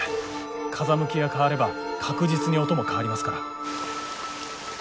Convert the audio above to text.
風向きが変われば確実に音も変わりますから。